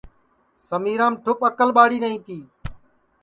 سمیرام ٹُھپ اکل ٻاڑِ نائی تی